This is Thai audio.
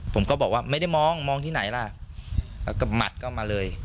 ผมก็บอกว่าไม่ได้มองมองที่ไหนล่ะแล้วก็หมัดเข้ามาเลย